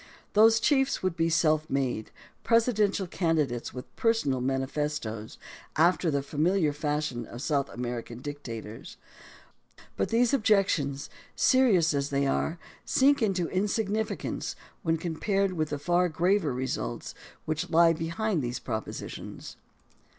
THE DEMOCRACY OF ABRAHAM LINCOLN 157 Those chiefs would be self made, presidential candi dates with personal manifestoes after the familiar fashion of South American dictators. But these objections, serious as they are, sink into insignificance when compared with the far graver results which lie behind these propositions.